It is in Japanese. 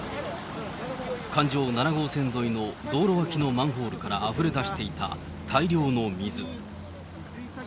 環状７号線沿いの道路脇のマンホールからあふれ出していた大量の水。